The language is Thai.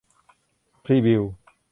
พรีบิลท์